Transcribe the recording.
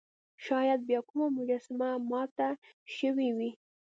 شاید بیا کومه مجسمه ماته شوې وي.